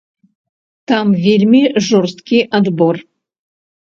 Там вельмі жорсткі адбор.